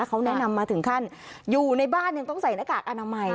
เขาแนะนำมาถึงขั้นอยู่ในบ้านยังต้องใส่หน้ากากอนามัย